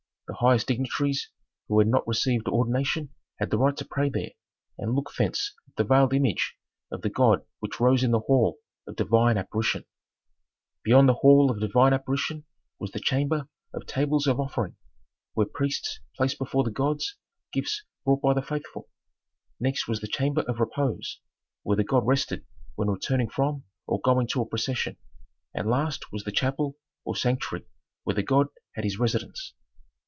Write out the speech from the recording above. The highest dignitaries who had not received ordination had the right to pray there, and look thence at the veiled image of the god which rose in the hall of "divine apparition." Beyond the hall of "divine apparition" was the chamber of "tables of offering," where priests placed before the gods gifts brought by the faithful. Next was the chamber of "repose," where the god rested when returning from or going to a procession, and last was the chapel or sanctuary where the god had his residence.